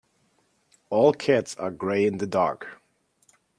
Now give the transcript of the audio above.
All cats are grey in the dark.